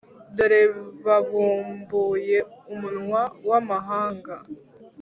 dore babumbuye umunwa w’amahanga